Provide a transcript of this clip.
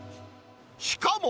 しかも。